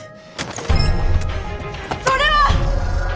それは！